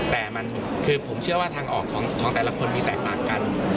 แต่มันคือผมเชื่อว่าทางออกของแต่ละคนมีแตกต่างกัน